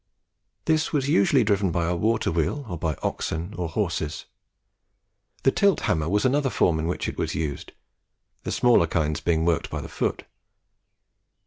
This was usually driven by a water wheel, or by oxen or horses. The tilt hammer was another form in which it was used, the smaller kinds being worked by the foot.